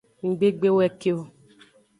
Ngbe gbe we ke o.